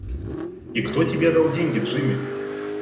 И кто тебе дал деньги, Джимми?